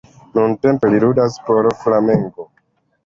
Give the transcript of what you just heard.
Nuntempe li ludas por Flamengo.